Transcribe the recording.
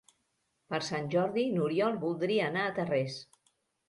Per Sant Jordi n'Oriol voldria anar a Tarrés.